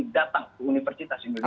hari ini datang ke universitas indonesia